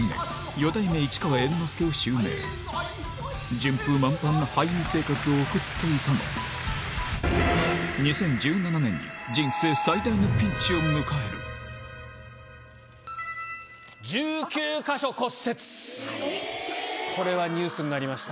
順風満帆な俳優生活を送っていたが２０１７年に人生最大のピンチを迎えるこれはニュースになりました。